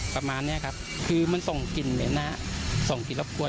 ประมาณนี้ครับคือมันส่งกลิ่นเหม็นส่งกลิ่นรบกวน